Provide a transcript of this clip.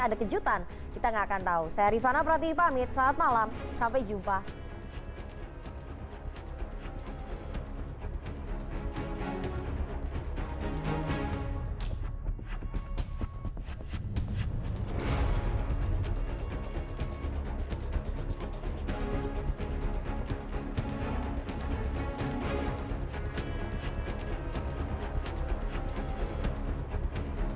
ada kejutan kita nggak akan tahu saya rifana prati pamit selamat malam sampai jumpa hai hai